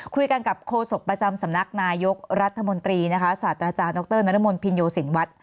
คุยกันกับโฆษกประจำสำนักนายกรัฐมนตรีนะคะศาสตราจารย์ดรนรมนต์พินโยสินวัฒน์